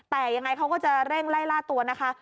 แต่ยังไงเขาก็จะเร่งไล่ล่าตัวนะคะ